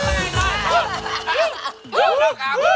ใช่แข่งแมงยกหัวหน้าแบก